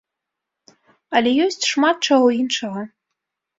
Але ёсць шмат чаго іншага.